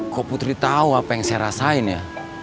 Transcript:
kok putri tahu apa yang saya rasain ya